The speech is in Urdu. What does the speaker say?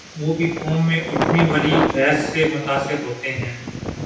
وہ بھی قوم میں اٹھنے والی بحث سے متاثر ہوتے ہیں۔